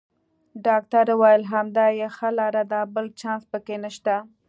ډاکټر وویل: همدا یې ښه لار ده، بل چانس پکې نشته.